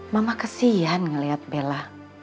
mama kesian ngeliat bella